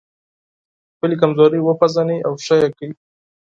خپلې کمزورۍ وپېژنئ او ښه يې کړئ.